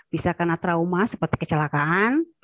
bisa karena trauma seperti kecelakaan